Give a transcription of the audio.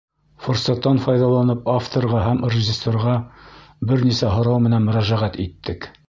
Форсаттан файҙаланып, авторға һәм режиссерға бер нисә һорау менән мөрәжәғәт иттек.